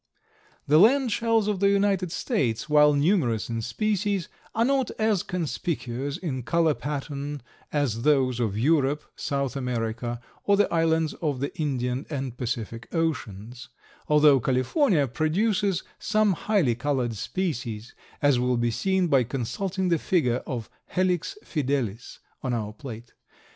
The land shells of the United States, while numerous in species, are not as conspicuous in color pattern as those of Europe, South America or the islands of the Indian and Pacific Oceans, although California produces some highly colored species, as will be seen by consulting the figure of Helix fidelis, on our plate.